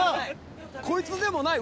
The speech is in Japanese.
こいつでもない！